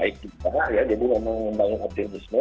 karena jadi memang banyak update di sini